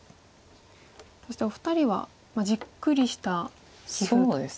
そしてお二人はじっくりした棋風と。